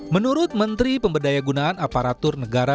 menurut menteri pemberdaya gunaan aparatur negara